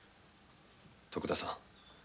徳田さん